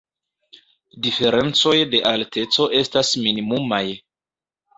Diferencoj de alteco estas minimumaj.